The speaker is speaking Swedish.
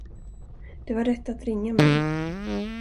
Det var rätt att ringa mig.